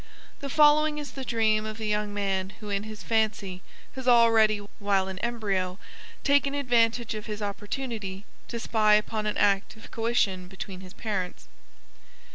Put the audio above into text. The following is the dream of a young man who in his fancy has already while in embryo taken advantage of his opportunity to spy upon an act of coition between his parents.